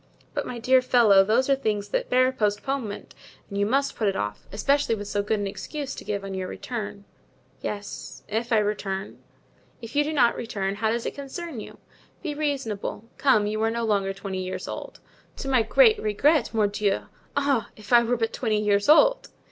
"But, my dear fellow, those are things that bear postponement and you must put it off, especially with so good an excuse to give on your return——" "Yes, if I return." "If you do not return, how does it concern you? Be reasonable. Come, you are no longer twenty years old." "To my great regret, mordieu! Ah, if I were but twenty years old!"